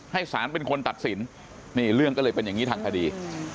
สารเป็นคนตัดสินนี่เรื่องก็เลยเป็นอย่างนี้ทางคดี